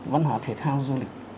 văn hóa thể thao du lịch